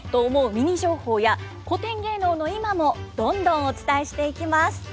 ミニ情報や古典芸能の今もどんどんお伝えしていきます。